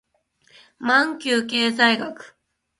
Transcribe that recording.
マンキュー経済学